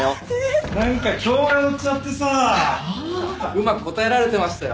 うまく答えられてましたよ。